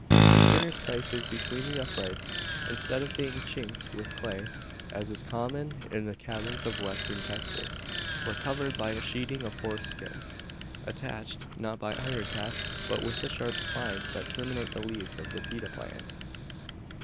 The interstices between the uprights, instead of being "chinked" with clay as is common in the cabins of Western Texas were covered by a sheeting of horse skins; attached, not by iron tacks, but with the sharp spines that terminate the leaves of the pita plant.